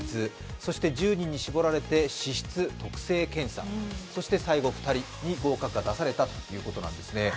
そして１０人に絞られて資質特性検査、そして最後、２人に合格が出されたということなんですね。